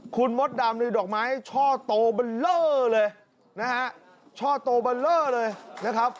คุณหมดดำดูดอกไม้ช่อโตเบลอเลยนะครับ